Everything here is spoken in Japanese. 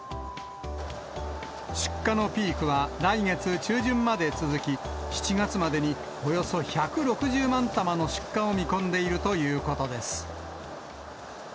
出荷のピークは来月中旬まで続き、７月までにおよそ１６０万玉の出荷を見込んでいるということです。